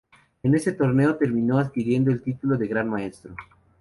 En este torneo terminó adquiriendo el título de Gran Maestro.